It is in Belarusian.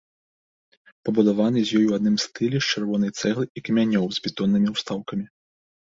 Пабудаваны з ёй у адным стылі з чырвонай цэглы і камянёў з бетоннымі ўстаўкамі.